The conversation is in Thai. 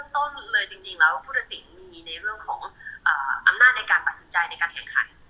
ถามในเรื่องต้นเลยจริงแล้วว่าผู้ตัดสินมีในเรื่องของอำนาจในการปรับสนใจในการแข่งขัน